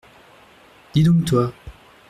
Dis donc, toi.